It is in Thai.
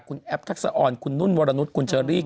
คุณแอปทักษะออนคุณนุ่นวรนุษย์คุณเชอรี่